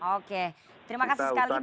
oke terima kasih sekali